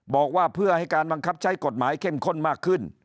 บอกว่าเพื่อให้การบังคับใช้กฎหมายเข้มข้นมากขึ้น